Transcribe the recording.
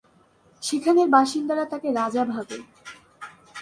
সেখানের বাসিন্দারা তাকে রাজা ভাবে।